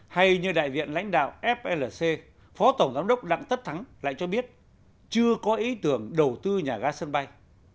hay như đại diện lãnh đạo flc phó tổng giám đốc đặng tất thắng lại cho biết chưa có ý tưởng đầu tư nhà ga sân bay